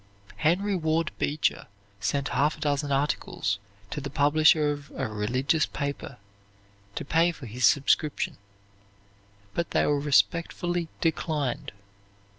Henry Ward Beecher sent half a dozen articles to the publisher of a religious paper to pay for his subscription, but they were respectfully declined.